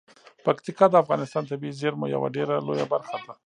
پکتیکا د افغانستان د طبیعي زیرمو یوه ډیره لویه برخه ده.